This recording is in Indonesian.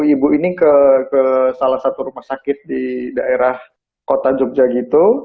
ibu ini ke salah satu rumah sakit di daerah kota jogja gitu